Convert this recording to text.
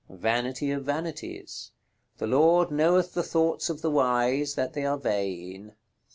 "Vanity of Vanities." "The Lord knoweth the thoughts of the wise, that they are vain."